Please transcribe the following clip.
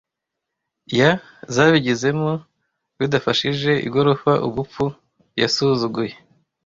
Ya zabigizemo , bidafashije, igorofa ubupfu, yasuzuguye,